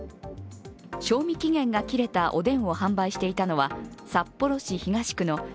賞味期限が切れたおでんを販売していたのは札幌市東区の